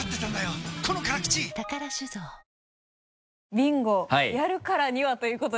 ビンゴやるからにはということで。